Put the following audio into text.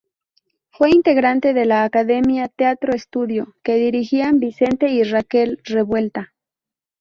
Fue integrante de la academia Teatro Estudio, que dirigían Vicente y Raquel Revuelta.